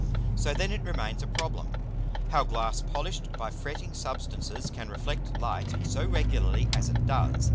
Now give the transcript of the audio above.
So then it remains a Problem, how Glass polish'd by fretting Substances can reflect Light so regularly as it does.